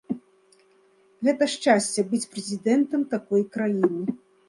Гэта шчасце быць прэзідэнтам такой краіны.